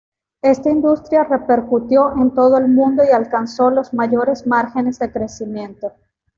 Esta industria repercutió en todo el mundo y alcanzó los mayores márgenes de crecimiento.